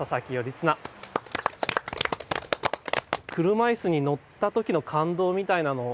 車いすに乗った時の感動みたいなのを描きました。